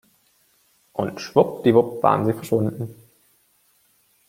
Und schwuppdiwupp waren sie verschwunden.